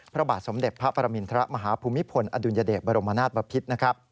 พระบาทสมเด็จพระปรมินทรมาฮภูมิพลอดุลยเดชบรมนาศบพิษนะครับ